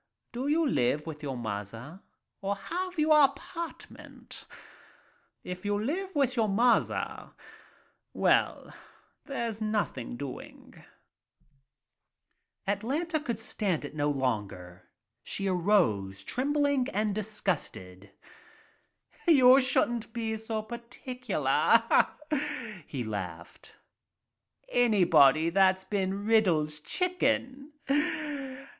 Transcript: "Do you live with your mother or have you a apartment. If you live with your 80 GIRL WHO WANTED WORK mother — well, there's nothing doing —" Atlanta could stand it no longer. She arose, trembling and disgusted. "You shouldn't be so particular," he laughed. "Anybody that's been Riddle's chicken.